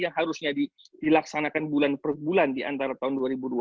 yang harusnya dilaksanakan bulan per bulan di antara tahun dua ribu dua puluh